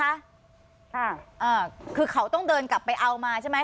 อ่าคือเขาต้องเดินกลับไปเอามาใช่ไหม